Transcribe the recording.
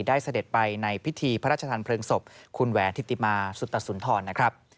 เสด็จไปในพิธีพระราชทานเพลิงศพคุณแหวนธิติมาสุตสุนทรนะครับ